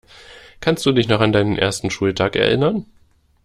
Kannst du dich noch an deinen ersten Schultag erinnern?